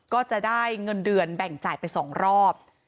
ก็จะได้เงินเดือนแบ่งจ่ายไป๒รอบ